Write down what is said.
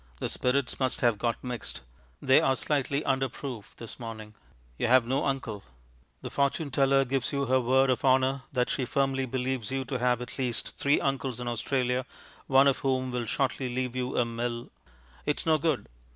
The spirits must have got mixed; they are slightly under proof this morning; you have no uncle. The fortune teller gives you her word of honour that she firmly believes you to have at least three uncles in Australia, one of whom will shortly leave you a mill It is no good.